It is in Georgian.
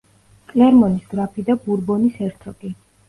კლერმონის გრაფი და ბურბონის ჰერცოგი.